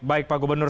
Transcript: baik pak gubernur